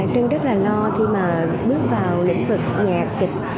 tôi rất là lo khi mà bước vào lĩnh vực nhạc kịch